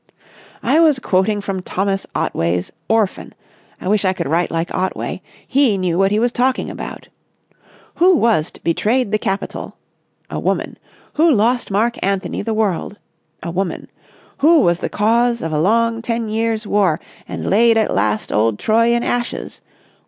"I was quoting from Thomas Otway's 'Orphan.' I wish I could write like Otway. He knew what he was talking about. 'Who was't betrayed the Capitol? A woman. Who lost Marc Anthony the world? A woman. Who was the cause of a long ten years' war and laid at last old Troy in ashes?